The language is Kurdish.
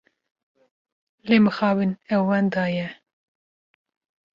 Lê mixabin ew wenda ye.